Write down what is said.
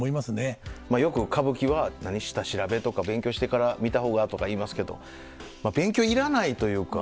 まあよく「歌舞伎は下調べとか勉強してから見た方が」とか言いますけどまあ勉強いらないというか。